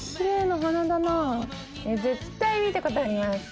絶対見たことあります。